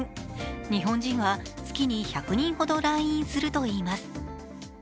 日本人は月に１００人ほど来院するといいます。